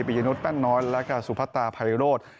ปิจนุษย์แป้นน้อยแล้วก็สุพัตย์ไพรโลก